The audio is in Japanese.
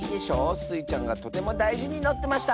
スイちゃんがとてもだいじにのってました！